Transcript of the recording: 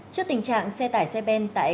trước tình trạng xe tải xe ben tại